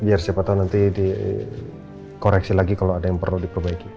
biar siapa tahu nanti dikoreksi lagi kalau ada yang perlu diperbaiki